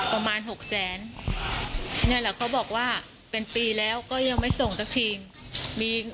ประมาณหกแสนนี่แหละเขาบอกว่าเป็นปีแล้วก็ยังไม่ส่งสักทีมี